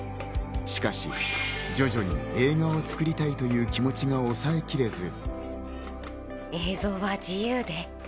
しかし徐々に映画を作りたいという気持ちが抑えきれず。